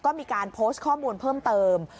ก็มีการโพสต์ข้อมูลเพิ่มเติม